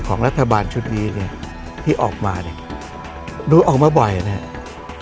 มอร์ทีป๔ระยะหลังเนี่ยผมขอหมายเหตุหน่อยมันมีอะไรน่าสงสัยอ่ะ